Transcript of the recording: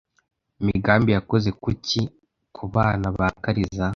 Migambi yakoze kuki kubana ba Kariza .